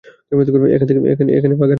এখানে বাগান হবে।